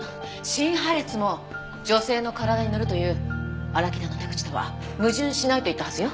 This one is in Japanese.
心破裂も女性の体に乗るという荒木田の手口とは矛盾しないと言ったはずよ。